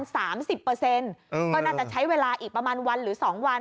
ก็น่าจะใช้เวลาอีกประมาณวันหรือ๒วัน